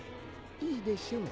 いいでしょう。